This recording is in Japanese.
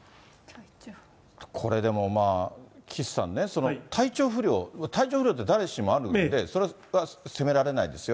これでも、まあ、岸さんね、体調不良、体調不良って誰しもあるんで、それは責められないですよ。